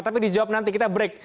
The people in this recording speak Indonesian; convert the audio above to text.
tapi dijawab nanti kita break